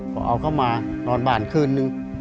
พอเอาเข้ามานอนบ้านคืนนึง